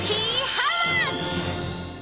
ハウマッチ。